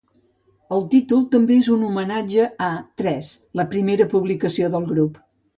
El títol també és un homenatge a "Tres", la primera publicació del grup.